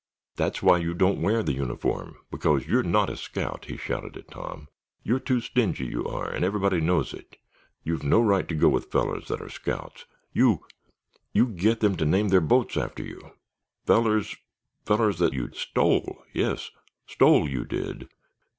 "That's why you don't wear the uniform—because you're not a scout!" he shouted at Tom. "You're too stingy, you are, and everybody knows it! You've no right to go with fellers that are scouts! You—you get them to name their boats after you—fellers—fellers that you stole—yes, stole, you did!"